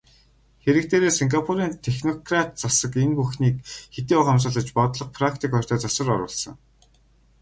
Хэрэг дээрээ Сингапурын технократ засаг энэ бүхнийг хэдийн ухамсарлаж бодлого, практик хоёртоо засвар оруулсан.